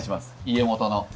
家元の。